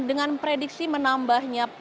dengan prediksi menambahnya